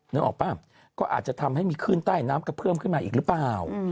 นึกออกป่ะก็อาจจะทำให้มีขึ้นใต้น้ำกระเพื่อมขึ้นมาอีกหรือเปล่า